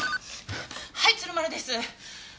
はい鶴丸です。